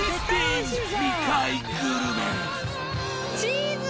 チーズ！